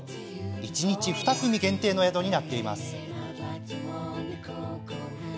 一日２組限定の宿になっています。